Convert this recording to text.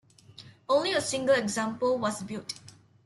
Only a single example was built.